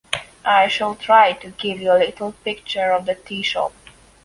I shall try to give you a little picture of the tea-shop.